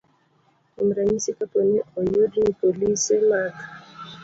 Kuom ranyisi, kapo ni oyud ni polise mag